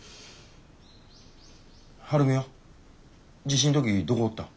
晴美は地震の時どこおったん？